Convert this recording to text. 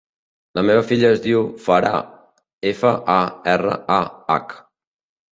La meva filla es diu Farah: efa, a, erra, a, hac.